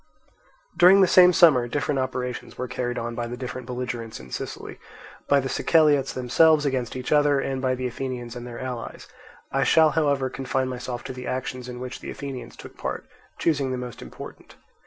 During the same summer different operations were carried on by the different belligerents in Sicily; by the Siceliots themselves against each other, and by the Athenians and their allies: I shall however confine myself to the actions in which the Athenians took part, choosing the most important.